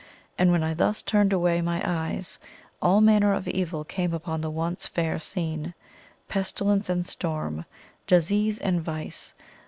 And when I thus turned away my eyes, all manner of evil came upon the once fair scene pestilence and storm, disease and vice.